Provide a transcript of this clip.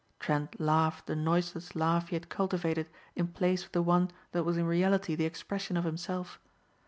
Trent laughed the noiseless laugh he had cultivated in place of the one that was in reality the expression of himself.